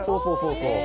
そうそう。